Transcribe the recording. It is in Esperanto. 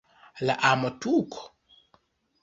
La amo-tuko?